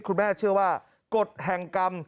คุณแม่เชื่อว่ากฎแห่งกรรม